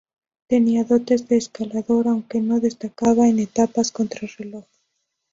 Tenía dotes de escalador, aunque no destacaba en etapas contrarreloj.